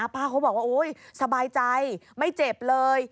ป้าเขาบอกว่าสบายใจไม่เจ็บเลย